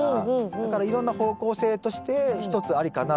だからいろんな方向性として一つありかなと思っております。